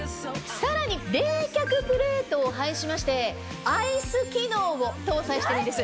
さらに冷却プレートを配しまして。を搭載してるんです。